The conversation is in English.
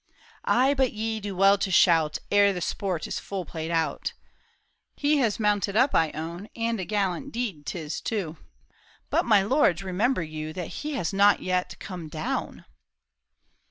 *' Ah, but ye do well to shout Ere the sport is full played out ! He has mounted up, I own, And a gallant deed 'tis too. But, my lords, remember you, That he has not yet come down